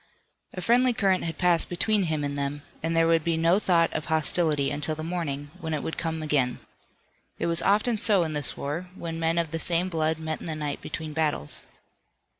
A friendly current had passed between him and them, and there would be no thought of hostility until the morning, when it would come again. It was often so in this war, when men of the same blood met in the night between battles.